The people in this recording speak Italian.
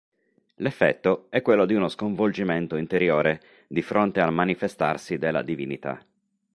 L'effetto è quello di uno sconvolgimento interiore di fronte al manifestarsi della divinità.